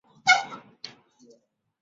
该寺以其训养的能够跳圈的猫而闻名。